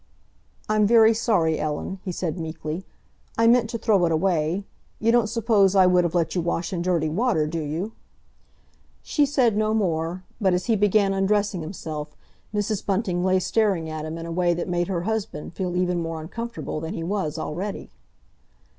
"I'm very sorry, Ellen," he said meekly; "I meant to throw it away. You don't suppose I would have let you wash in dirty water, do you?" She said no more, but, as he began undressing himself, Mrs. Bunting lay staring at him in a way that made her husband feel even more uncomfortable than he was already.